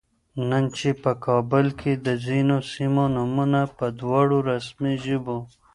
نن چې په کابل کې د ځینو سیمو نومونه په دواړو رسمي ژبو